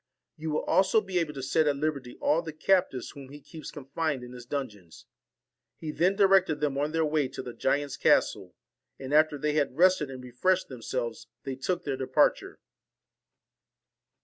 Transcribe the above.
You will also be able to set at liberty all the captives whom he keeps con fined in his dungeons.' He then directed them on their way to the giant's castle; and after they had rested and refreshed themselves, they took their departure.